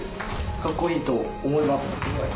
カッコいいと思います